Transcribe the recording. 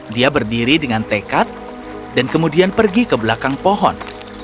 dia berdiri dengan tekad dan kemudian pergi ke belakang pohon